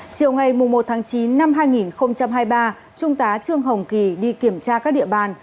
chiều ngày một tháng chín năm hai nghìn hai mươi ba trung tá trương hồng kỳ đi kiểm tra các địa bàn